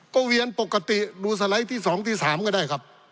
ก็เวียนปกติดูสไลด์ที่๒ที่๓ก็ได้ครับ